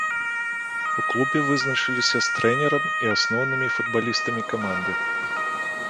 У клубе вызначыліся з трэнерам і асноўнымі футбалістамі каманды.